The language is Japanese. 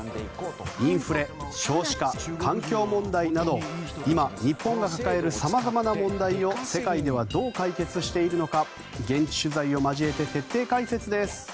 インフレ、少子化、環境問題など今、日本が抱える様々な問題を世界ではどう解決しているのか現地取材を交えて徹底解説です。